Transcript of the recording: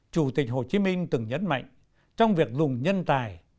chủ tịch hồ chí minh từng nhấn mạnh trong việc dùng nhân tài